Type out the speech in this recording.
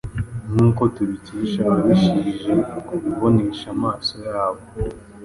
nk’uko tubikesha ababashije kubibonesha amaso yabo